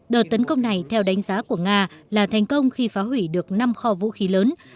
đợt tấn công này theo đánh giá của nga là thành công khi phá hủy được năm kho vũ khí lớn